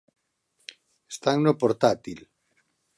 Están no portátil.